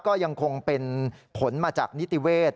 ก็ยังคงเป็นผลมาจากนิติเวศ